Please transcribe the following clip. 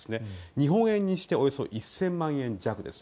日本円にしておよそ１０００万円弱です。